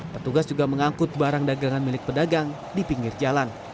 petugas juga mengangkut barang dagangan milik pedagang di pinggir jalan